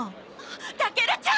タケルちゃん！